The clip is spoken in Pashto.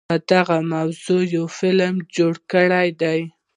په دغه موضوع يو فلم جوړ کړے دے